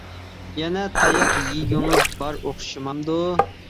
— يەنە تاياق يېگۈڭىز بار ئوخشىمامدۇ.